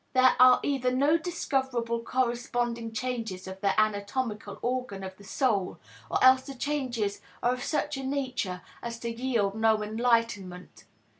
There are either no discoverable corresponding changes of the anatomical organ of the soul, or else the changes are of such a nature as to yield no enlightenment.